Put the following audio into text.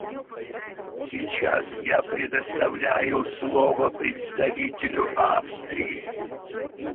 Сейчас я предоставляю слово представителю Австрии.